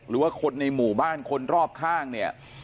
หรือว่าคนในหมู่บ้านคนรอบข้างเนี่ย